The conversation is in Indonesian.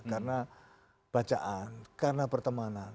karena bacaan karena pertemanan